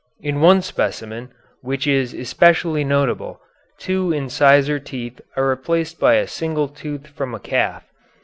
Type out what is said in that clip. In one specimen, which is especially notable, two incisor teeth are replaced by a single tooth from a calf.